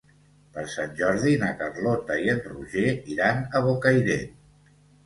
Per Sant Jordi na Carlota i en Roger iran a Bocairent.